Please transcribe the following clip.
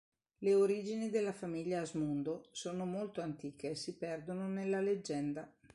Le origini della famiglia Asmundo sono molto antiche e si perdono nella leggenda.